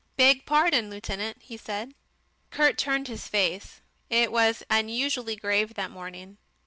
"Beg pardon, lieutenant," he said. Kurt turned his face. It was unusually grave that morning.